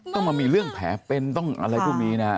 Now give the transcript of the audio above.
ต้องมามีเรื่องแผลเป็นต้องอะไรพวกนี้นะฮะ